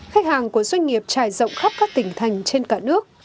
khách hàng của doanh nghiệp trải rộng khắp các tỉnh thành trên cả nước